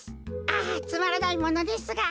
あっつまらないものですが。